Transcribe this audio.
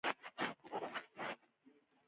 برابري وژنې او چاغوالی کمولی شي.